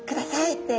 って